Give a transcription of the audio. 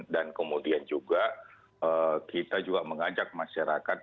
dan kemudian juga kita juga mengajak masyarakat